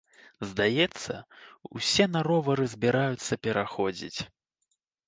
Здаецца, усе на ровары збіраюцца пераходзіць.